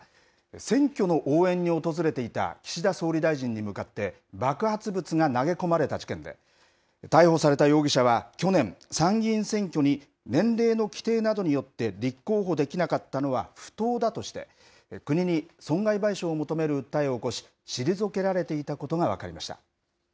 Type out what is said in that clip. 選挙の応援に訪れていた岸田総理大臣に向かって、爆発物が投げ込まれた事件で、逮捕された容疑者は去年、参議院選挙に年齢の規定などによって立候補できなかったのは不当だとして、国に損害賠償を求める訴えを起こし、退けられていたことが分かりました。